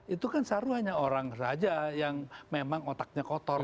itu kan saru hanya orang saja yang memang otaknya kotor